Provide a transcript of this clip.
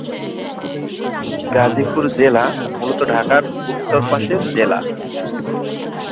গাজীপুর জেলা মূলত ঢাকার উত্তর পাশের জেলা।